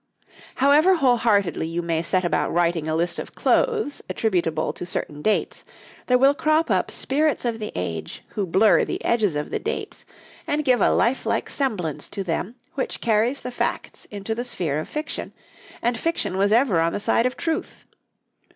However wholeheartedly you may set about writing a list of clothes attributable to certain dates, there will crop up spirits of the age, who blur the edges of the dates, and give a lifelike semblance to them which carries the facts into the sphere of fiction, and fiction was ever on the side of truth.